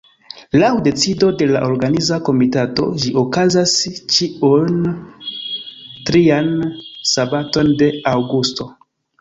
Laŭ decido de la Organiza Komitato ĝi okazas ĉiun trian sabaton de aŭgusto.